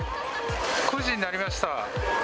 ９時になりました。